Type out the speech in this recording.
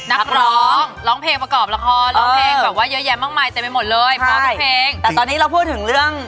แต่ตอนนี้พอถึงเรื่อง